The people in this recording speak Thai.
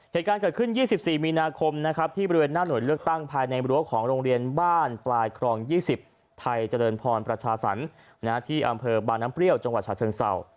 เหตุการณ์เกิดขึ้น๒๔มีนาคมนะครับที่บริเวณหน้าหน่วยเลือกตั้งภายในรั้วของโรงเรียนบ้านปลายครอง๒๐ไทยเจริญพรประชาสรรค์ที่อำเภอบางน้ำเปรี้ยวจังหวัดชาเชิงเศร้า